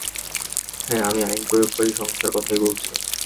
হ্যাঁ, আমি আইন প্রয়োগকারী সংস্থার কথাই বলছি।